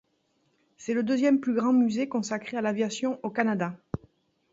C'est le deuxième plus grand musée consacré à l'aviation au Canada.